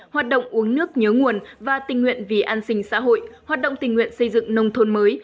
hoạt động uống nước nhớ nguồn và tình nguyện vì an sinh xã hội hoạt động tình nguyện xây dựng nông thôn mới